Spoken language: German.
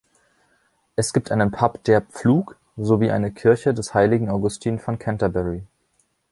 Es gibt einen Pub, „Der Pflug“, sowie eine Kirche des heiligen Augustin von Canterbury.